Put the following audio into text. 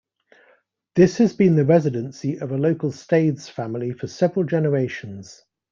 This has been the residency of a local Staithes family for several generations.